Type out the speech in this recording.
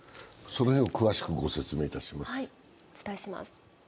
その辺を詳しく説明します。